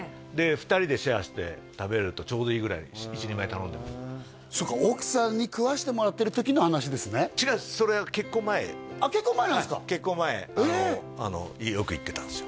２人でシェアして食べるとちょうどいいぐらい１人前頼んでもそっか奥さんに食わせてもらってる時の話ですね違うんですそれは結婚前あっ結婚前なんですか結婚前よく行ってたんですよ